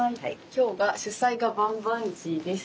今日が主菜がバンバンジーです。